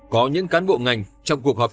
có những cán bộ ngành trong cuộc họp